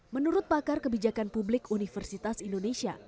menurut pakar kebijakan publik universitas indonesia